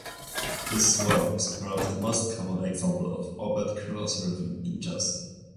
This swung is perhaps the most common example of overt cross-rhythm in jazz.